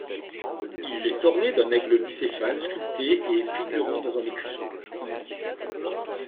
Il est orné d'une aigle bicéphale sculptée et figurant dans un écusson.